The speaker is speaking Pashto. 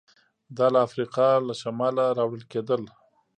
دا له افریقا له شماله راوړل کېدل